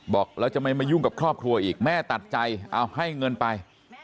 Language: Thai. บอกแล้วจะไม่มายุ่งกับครอบครัวอีกแม่ตัดใจเอาให้เงินไป